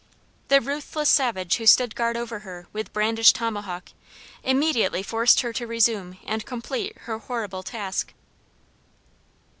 The ruthless savage who stood guard over her with brandished tomahawk immediately forced her to resume and complete her horrible task.